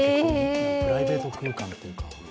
プライベート空間というか。